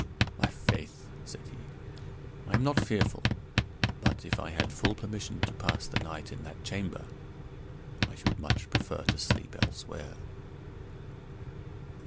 "My faith," said he, "I am not fearful; but, if I had full permission to pass the night in that chamber, I should much prefer to sleep elsewhere.